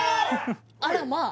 あらまあ